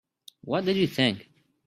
What did you think?